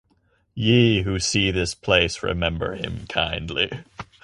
Ye who see this place remember him kindly.